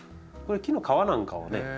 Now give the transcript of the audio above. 木の皮なんかをね